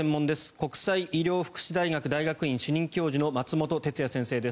国際医療福祉大学大学院主任教授の松本哲哉先生です。